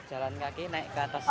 jalan kaki naik ke atas